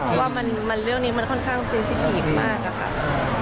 เพราะว่าเรื่องนี้มันค่อนข้างซึมซิกีฟมากอะค่ะ